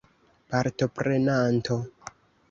partoprenanto